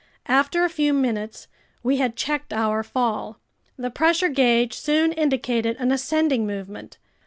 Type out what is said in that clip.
After a few minutes we had checked our fall. The pressure gauge soon indicated an ascending movement.